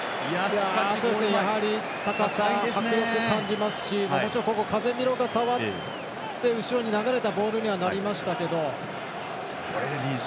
やはり高さ迫力を感じますしカゼミーロが触って後ろに流れたボールにはなりましたけど。